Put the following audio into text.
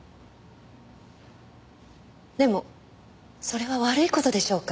でもそれは悪い事でしょうか？